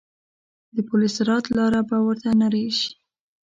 د پل صراط لاره به ورته نرۍ شي.